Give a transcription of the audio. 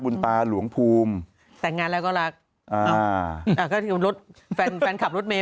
ตาหลวงภูมิแต่งงานแล้วก็รักอ่าอ่าก็คือรถแฟนแฟนขับรถเมย